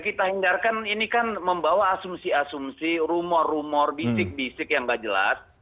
kita hindarkan ini kan membawa asumsi asumsi rumor rumor bisik bisik yang nggak jelas